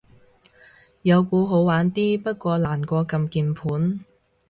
有鼓好玩啲，不過難過撳鍵盤